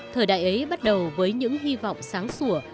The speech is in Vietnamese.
thời đại ấy bắt đầu với những hy vọng sáng sủa